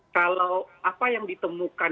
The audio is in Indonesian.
kalau apa yang ditemukan